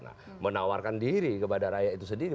nah menawarkan diri kepada rakyat itu sendiri